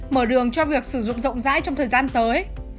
mở đường cho việc sử dụng rộng rãi trong thời gian tới